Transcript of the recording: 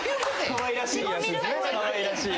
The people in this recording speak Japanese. かわいらしい。